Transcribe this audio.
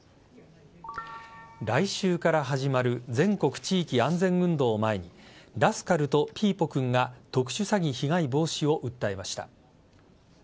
来週から始まる全国地域安全運動を前にラスカルとピーポくんが特殊詐欺被害防止を訴えました。